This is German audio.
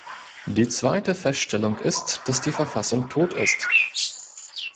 Die zweite Feststellung ist, dass die Verfassung tot ist.